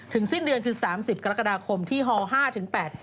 ถึงสิ้นเดือนคือ๓๐กรกฎาคมที่ฮอล๕๘